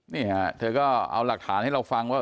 นี่ฮะเธอก็เอาหลักฐานให้เราฟังว่า